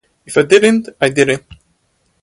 If I didn't, I didn't.